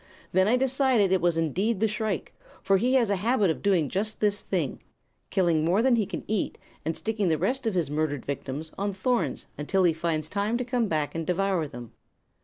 Then I decided it was indeed the shrike, for he has a habit of doing just this thing; killing more than he can eat and sticking the rest of his murdered victims on thorns until he finds time to come back and devour them.